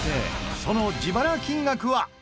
その自腹金額は？